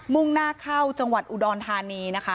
่งหน้าเข้าจังหวัดอุดรธานีนะคะ